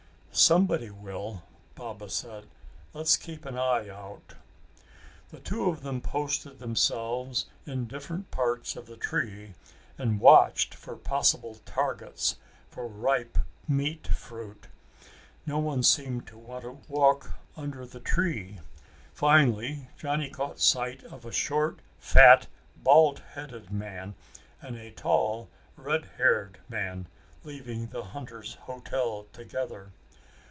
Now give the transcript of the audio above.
"Somebody will!" Baba said. "Let's keep an eye out." The two of them posted themselves in different parts of the tree and watched for possible targets for ripe meat fruit. No one seemed to want to walk under the tree. Finally Johnny caught sight of a short fat bald headed man and a tall redhaired man leaving the Hunters Hotel together.